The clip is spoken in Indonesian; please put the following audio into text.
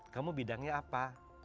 kamu bidangnya apa